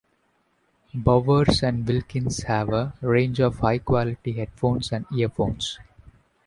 Bowers and Wilkins have a range of high quality headphones and earphones.